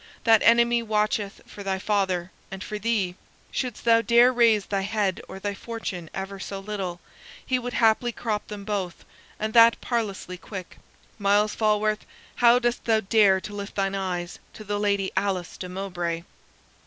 That enemy watcheth for thy father and for thee; shouldst thou dare raise thy head or thy fortune ever so little, he would haply crop them both, and that parlously quick. Myles Falworth, how dost thou dare to lift thine eyes to the Lady Alice de Mowbray?"